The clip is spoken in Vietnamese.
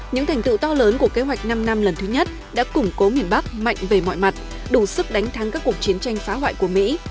những thành tựu to lớn của kế hoạch năm năm lần thứ nhất đã củng cố miền bắc mạnh về mọi mặt đủ sức đánh thắng các cuộc chiến tranh phá hoại của mỹ